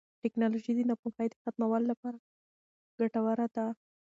ټیکنالوژي د ناپوهۍ د ختمولو لپاره ګټوره ده.